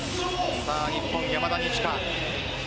日本、山田二千華